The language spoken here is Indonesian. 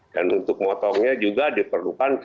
dan untuk potongnya juga diperlukan satu tahun